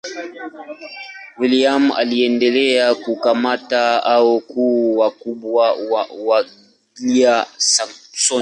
William aliendelea kukamata au kuua wakubwa wa Waanglia-Saksoni.